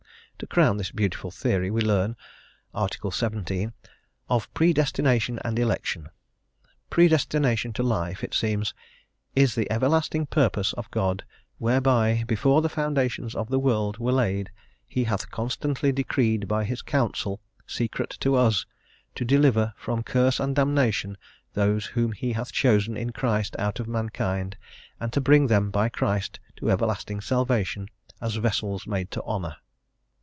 To crown this beautiful theory we learn, Article XVII. "of Predestination and Election:" predestination to life, it seems, "is the everlasting purpose of God whereby (before the foundations of the world were laid) he hath constantly decreed by his counsel, secret to us, to deliver from curse and damnation those whom he hath chosen in Christ out of mankind, and to bring them by Christ to everlasting salvation, as vessels made to honour."